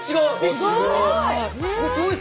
すごい！